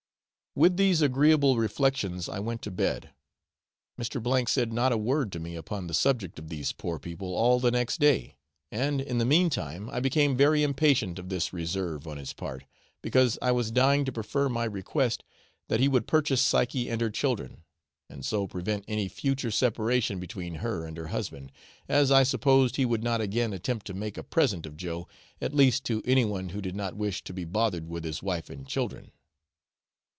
With these agreeable reflections I went to bed. Mr. said not a word to me upon the subject of these poor people all the next day, and in the meantime I became very impatient of this reserve on his part, because I was dying to prefer my request that he would purchase Psyche and her children, and so prevent any future separation between her and her husband, as I supposed he would not again attempt to make a present of Joe, at least to anyone who did not wish to be bothered with his wife and children.